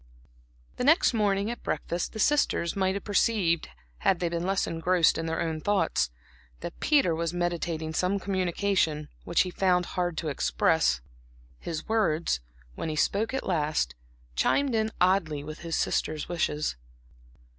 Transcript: The next morning at breakfast the sisters might have perceived had they been less engrossed in their own thoughts, that Peter was meditating some communication, which he found it hard to express. His words, when he spoke at last, chimed in oddly with his sisters' wishes.